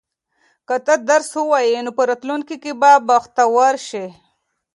که ته درس ووایې نو په راتلونکي کې به بختور شې.